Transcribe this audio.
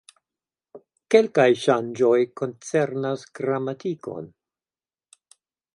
Kelkaj ŝanĝoj koncernas gramatikon.